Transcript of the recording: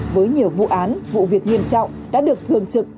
với nhiều vụ án vụ việc nghiêm trọng đã được thường trực ban chỉnh